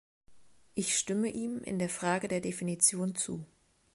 Ich stimme ihm in der Frage der Definition zu.